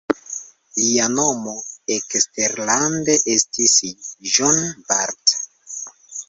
Lia nomo eksterlande estis John Bartha.